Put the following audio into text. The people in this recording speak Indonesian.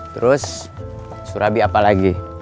terus surabi apa lagi